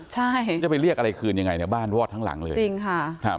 ใช่จะไปเรียกอะไรคืนยังไงเนี่ยบ้านวอดทั้งหลังเลยจริงค่ะครับ